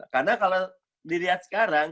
karena kalau dilihat sekarang